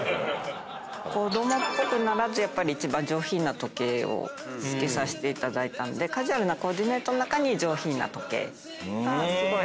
子供っぽくならず一番上品な時計を着けさせていただいたのでカジュアルなコーディネートの中に上品な時計がすごいはずしのポイント。